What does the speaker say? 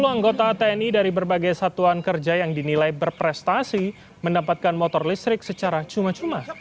sepuluh anggota tni dari berbagai satuan kerja yang dinilai berprestasi mendapatkan motor listrik secara cuma cuma